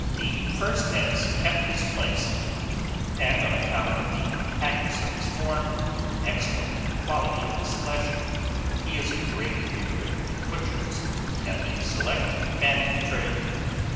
The first has kept his place, and on account of the compactness of his form, and the excellent quality of his flesh, he is a great favourite with butchers who have a select family trade.